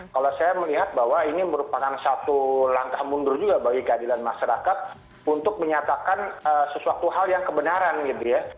kalau saya melihat bahwa ini merupakan satu langkah mundur juga bagi keadilan masyarakat untuk menyatakan sesuatu hal yang kebenaran gitu ya